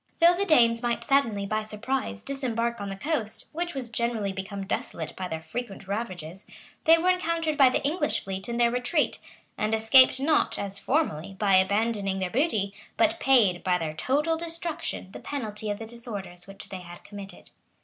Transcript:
Though the Danes might suddenly, by surprise, disembark on the coast, which was generally become desolate by their frequent ravages, they were encountered by the English fleet in their retreat; and escaped not, as formerly, by abandoning their booty, but paid, by their total destruction, the penalty of the disorders which they had committed.